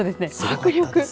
迫力。